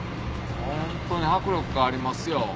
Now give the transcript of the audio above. ホントに迫力がありますよ。